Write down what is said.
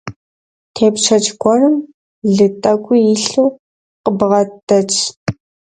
Тепщэч гуэрым лы тӀэкӀуи илъу къыбгъэдэтщ.